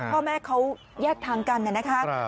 พ่อแม่เขาแยกทางกันนะคะ